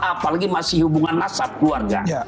apalagi masih hubungan nasab keluarga